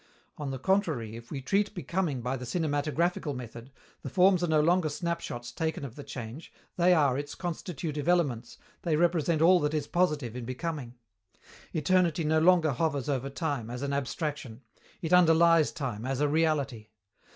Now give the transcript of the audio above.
On the contrary, if we treat becoming by the cinematographical method, the Forms are no longer snapshots taken of the change, they are its constitutive elements, they represent all that is positive in Becoming. Eternity no longer hovers over time, as an abstraction; it underlies time, as a reality.